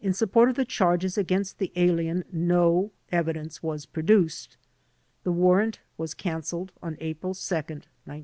In support of the charges against the alien no evidence was produced. The warrant was cancelled on April 2, 1920.